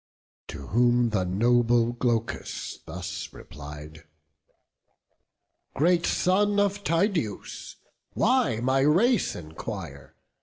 To whom the noble Glaucus thus replied: "Great son of Tydeus, why my race enquire?